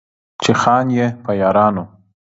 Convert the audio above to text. چې خان يې، په يارانو